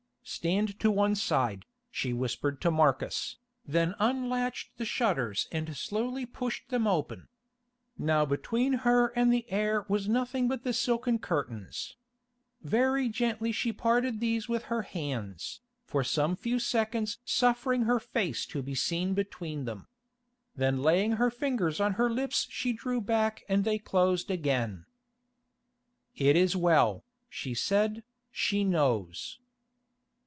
"Stand to one side," she whispered to Marcus, then unlatched the shutters and slowly pushed them open. Now between her and the air was nothing but the silken curtains. Very gently she parted these with her hands, for some few seconds suffering her face to be seen between them. Then laying her fingers on her lips she drew back and they closed again. "It is well," she said, "she knows."